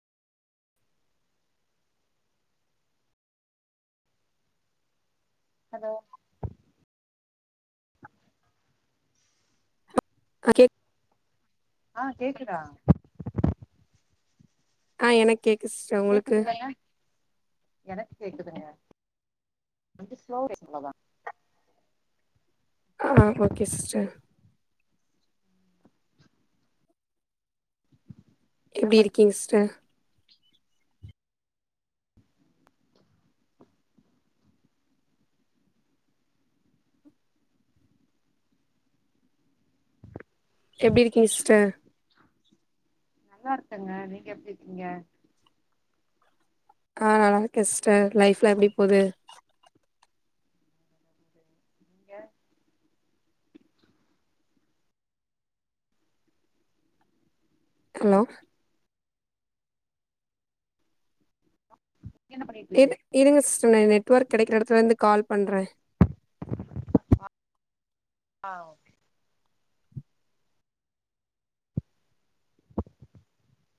allow அ அ கேக் ஆ கேக்குதா ஆ எனக் கேக்குது சிஸ்டர் உங்களுக்கு கேக்குதுல்லங்க எனக்கு கேக்குதுங்க கொஞ்சோ ஸ்லோவா பேசுற அவ்ளோதா [inaudible] ஆ ஓகே சிஸ்டர் என்ன எப்டி பண் இருக்கீங்க சிஸ்டர் எப்டி இருக்கீங்க சிஸ்டர் நல்லா இருக்கங்க நீங்க எப்டி இருக்கீங்க ஆ நல்லா இருக்கே சிஸ்டர் லைஃப்ல எப்டி போது நீங்க ஹலோ நீங்க என்ன பண்ணிட்டு இ இருக்கீங்க இருங்க சிஸ்டர் நா நெட்ஒர்க் கெடைக்கிற எடத்துல இருந்து கால் பண்றே ஆ ஓகே